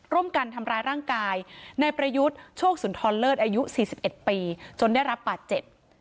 ร่วมกันทำร้ายร่างกายนายประยุทธ์โชคสุนทรเลิศอายุ๔๑ปีจนได้รับบาดเจ็บ